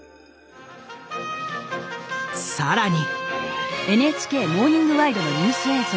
更に。